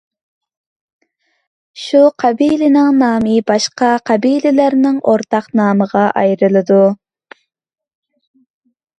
شۇ قەبىلىنىڭ نامى باشقا قەبىلىلەرنىڭ ئورتاق نامىغا ئايلىنىدۇ.